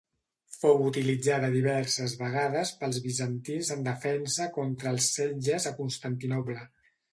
Fou utilitzada diverses vegades pels bizantins en defensa contra els setges a Constantinoble.